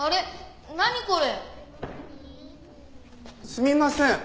すみません。